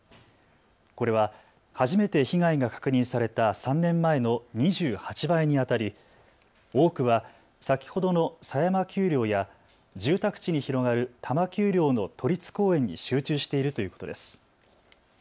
これは初めて被害が確認された３年前の２８倍にあたり多くは先ほどの狭山丘陵や住宅地に広がる多摩丘陵の都立公園に集中しているということです。